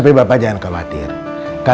kita perubah kita